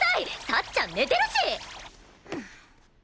幸ちゃん寝てるし！